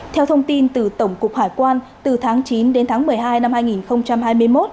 theo thông tin từ tổng cục hải quan từ tháng chín đến tháng một mươi hai năm hai nghìn hai mươi một